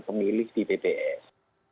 pemilih di tps